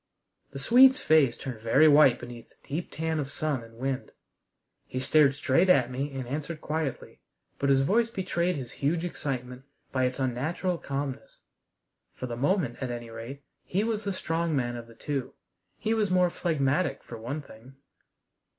The Swede's face turned very white beneath the deep tan of sun and wind. He stared straight at me and answered quietly, but his voice betrayed his huge excitement by its unnatural calmness. For the moment, at any rate, he was the strong man of the two. He was more phlegmatic, for one thing.